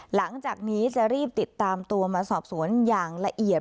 หลังจากนี้จะรีบติดตามตัวมาสอบสวนอย่างละเอียด